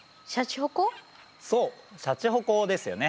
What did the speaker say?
そうシャチホコですよね。